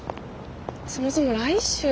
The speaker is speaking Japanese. そもそも来週って。